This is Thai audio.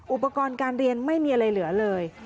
อุปกรณ์การเรียนไม่มีอะไรเหลือเลย